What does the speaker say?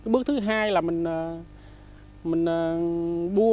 bước thứ hai là mình bua bán đồ này kia nữa